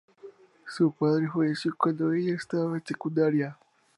Su padre falleció cuando ella estaba en secundaria.